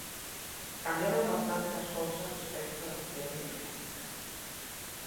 Cambiaron bastante as cousas respecto das teorías clásicas.